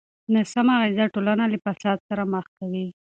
ناسمه غذا ټولنه له فساد سره مخ کوي.